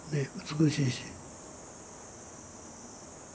美しいし。